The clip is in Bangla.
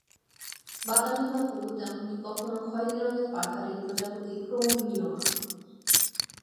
বাদামী বা হলুদ এমনকী কখনও খয়েরি রঙের পাখার এই প্রজাপতি ক্রমবিলীয়মান।